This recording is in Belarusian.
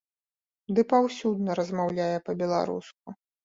Ды паўсюдна размаўляе па-беларуску.